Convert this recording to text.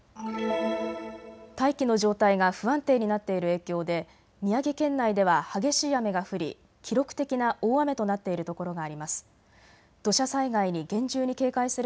大気の状態が不安定になっている影響で宮城県内では激しい雨が降り記録的な大雨となっているところがあります。